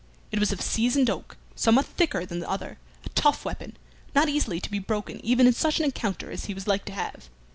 It was of seasoned oak, somewhat thicker than the other, a tough weapon, not easily to be broken even in such an encounter as he was like to have.